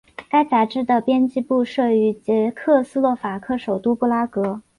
该杂志的编辑部设于捷克斯洛伐克首都布拉格。